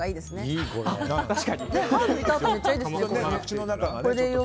確かに。